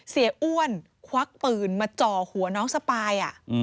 เสียอ้วนควักปืนมาจ่อหัวน้องสปาย